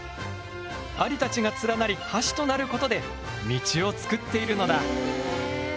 アリたちが連なり橋となることで道をつくっているのだ。